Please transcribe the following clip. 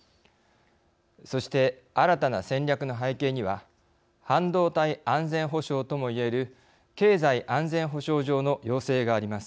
そして、新たな戦略の背景には半導体安全保障ともいえる経済安全保障上の要請があります。